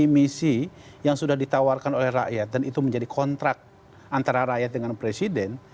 misi yang sudah ditawarkan oleh rakyat dan itu menjadi kontrak antara rakyat dengan presiden